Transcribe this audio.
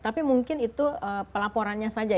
tapi mungkin itu pelaporannya saja